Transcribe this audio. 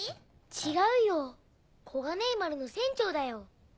違うよ小金井丸の船長だよ。